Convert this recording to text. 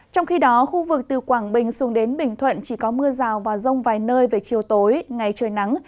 trong khi đó khu vực từ quảng bình xuống đến bình thuận chỉ có mưa rào và rông vài nơi về chiều tối ngày trời nắng